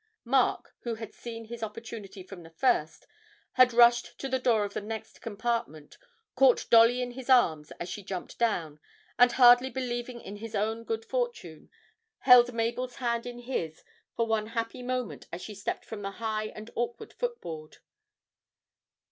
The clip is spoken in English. Mark, who had seen his opportunity from the first, had rushed to the door of the next compartment, caught Dolly in his arms as she jumped down, and, hardly believing in his own good fortune, held Mabel's hand in his for one happy moment as she stepped from the high and awkward footboard.